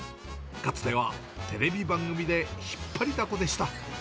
かつてはテレビ番組で引っ張りだこでした。